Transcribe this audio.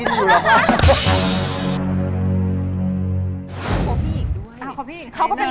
หนูเดี๋ยวควร